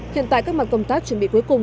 hiện tại các mặt công tác chuẩn bị cuối cùng